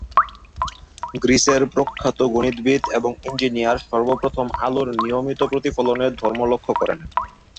গ্রিসের প্রখ্যাত গণিতবিদ এবং ইঞ্জিনিয়ার- সর্বপ্রথম আলোর নিয়মিত প্রতিফলনের ধর্ম লক্ষ্য করেন।